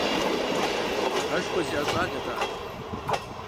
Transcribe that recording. Лӏыгъэшхуэ зиӏэ щӏалэт ар.